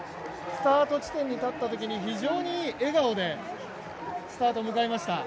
スタート地点に立ったときに非常にいい笑顔でスタートを迎えました。